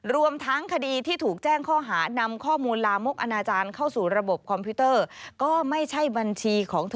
รวมทั้งคดีที่ถูกแจ้งข้อหานำข้อมูลลามกอนาจารย์เข้าสู่ระบบคอมพิวเตอร์ก็ไม่ใช่บัญชีของเธอ